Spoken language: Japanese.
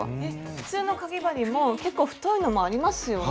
普通のかぎ針も結構太いのもありますよね。